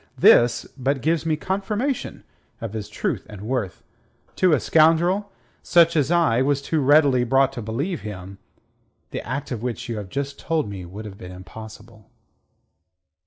this but gives me confirmation of his truth and worth. To a scoundrel such as I was too readily brought to believe him, the act of which you have just told me would have been impossible."